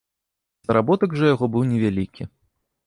Заработак жа яго быў невялікі.